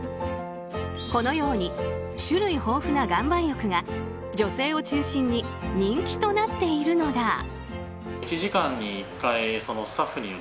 このように種類豊富な岩盤浴が女性を中心に人気となっているのだ。